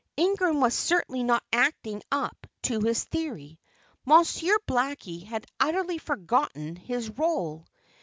Ingram was certainly not acting up to his theory. Monsieur Blackie had utterly forgotten his rôle.